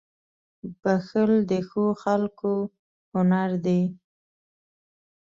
• بښل د ښو خلکو هنر دی.